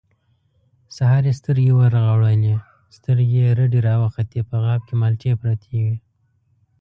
سهار يې سترګې ورغړولې، سترګې يې رډې راوختې، په غاب کې مالټې پرتې وې.